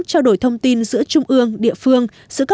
trao đổi thông tin giữa trung ương địa phương